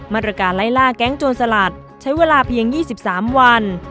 มาตรการไล่ล่าแก๊งโจรสลัดใช้เวลาเพียง๒๓วัน